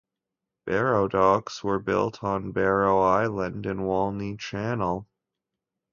Barrow docks were built on Barrow Island, in Walney Channel.